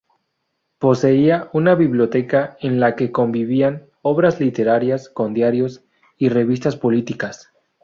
Poseía una biblioteca en la que convivían obras literarias con diarios y revistas políticas.